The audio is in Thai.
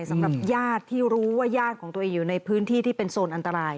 สำหรับญาติที่รู้ว่าญาติของตัวเองอยู่ในพื้นที่ที่เป็นโซนอันตราย